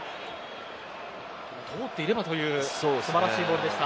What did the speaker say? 通っていればという素晴らしいボールでした。